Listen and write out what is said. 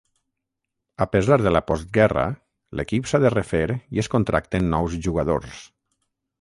A pesar de la postguerra, l'equip s'ha de refer i es contracten nous jugadors.